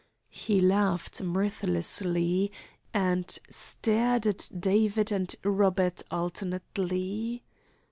He laughed mirthlessly, and stared at David and Robert alternately.